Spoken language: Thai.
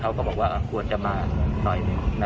เขาก็บอกว่าอาหารกลพต์จะมานิ่ง